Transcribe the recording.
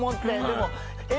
でも。